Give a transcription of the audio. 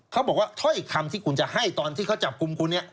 เขาบอกว่าถ้อยคำที่คุณจะให้ตอนที่เขาจับกลุ่มคุณเนี่ย